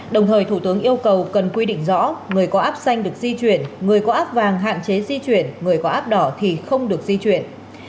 đồng thời thủ tướng yêu cầu cần quy định rõ người có app xanh được di chuyển người có áp vàng hạn chế di chuyển người có áp đỏ thì không được di chuyển